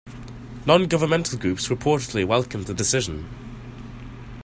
Non-governmental groups reportedly welcomed the decision.